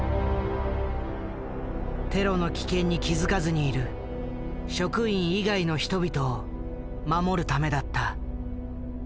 テロの危険に気付かずにいる職員以外の人々を守るためだった。